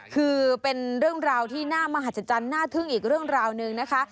คือเป็นเรื่องราวที่น่ามหัศจรรย์น่าทึ่งอีกเรื่องราวหนึ่งนะคะ